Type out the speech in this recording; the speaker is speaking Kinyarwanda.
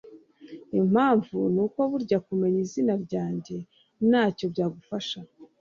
impamvu nuko burya kumenya izina ryanjye ntacyo byagufasha